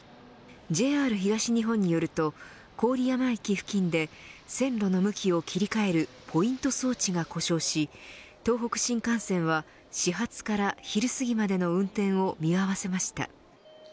ＪＲ東日本によると郡山駅付近で線路の向きを切り替えるポイント装置が故障し東北新幹線は始発から昼すぎまでの運転を見合わせました。